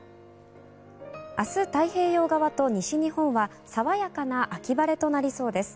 明日、太平洋側と西日本は爽やかな秋晴れとなりそうです。